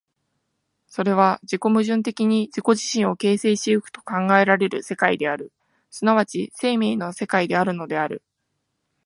それは自己矛盾的に自己自身を形成し行くと考えられる世界である、即ち生命の世界であるのである。